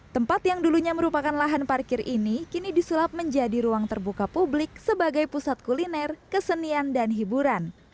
tempat yang dulunya merupakan lahan parkir ini kini disulap menjadi ruang terbuka publik sebagai pusat kuliner kesenian dan hiburan